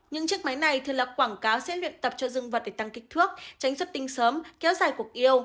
những chiếc máy này thường là quảng cáo sẽ luyện tập cho dương vật để tăng kích thước tránh xuất tinh sớm kéo dài cuộc yêu